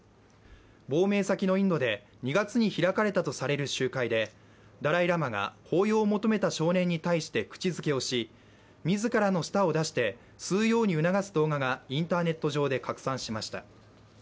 亡命先のインドで２月に開かれたとされる集会でダライ・ラマが抱擁を求めた少年に対して口づけをし、自らの舌を出して吸うように促す動画がインターネット上で拡散しました。